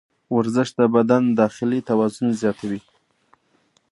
ورزش د بدن داخلي توان زیاتوي.